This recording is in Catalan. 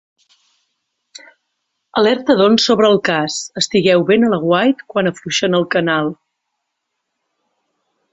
Alerta doncs sobre el cas: estigueu ben a l'aguait quan afluixen el canal.